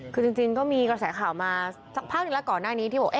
คือจริงก็มีกระแสข่าวมาสักพักหนึ่งแล้วก่อนหน้านี้ที่บอก